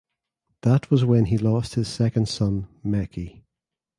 That was when he lost his second son Mekki.